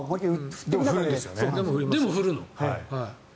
でも振るの？